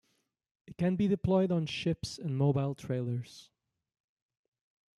It can be deployed on ships and mobile trailers.